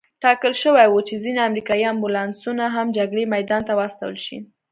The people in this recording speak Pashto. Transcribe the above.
ټاکل شوې وه چې ځینې امریکایي امبولانسونه هم جګړې میدان ته واستول شي.